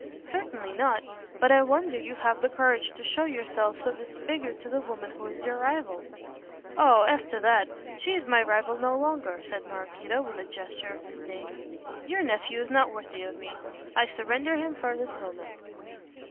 "Certainly not. But I wonder you have the courage to show yourself so disfigured to the woman who is your rival." "Oh, as to that, she is my rival no longer," said Maraquito, with a gesture of disdain, "your nephew is not worthy of me. I surrender him from this moment."